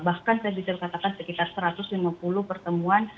bahkan saya bisa katakan sekitar satu ratus lima puluh pertemuan